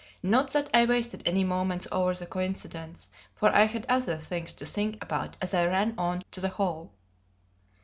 Not that I wasted many moments over the coincidence, for I had other things to think about as I ran on to the hall.